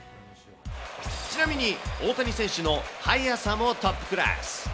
ちなみに大谷選手の速さもトップクラス。